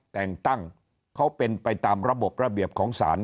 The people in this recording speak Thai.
แต่งตั้งเขาเป็นไปตามระบบระเบียบของศาล